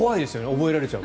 覚えられちゃう。